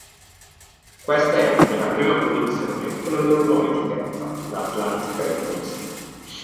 Questa è anche la prima produzione con la loro nuova etichetta, la Atlantic Records.